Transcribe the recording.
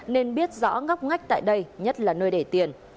nên biết rõ ngóc ngách tại đây nhất là nơi để tiền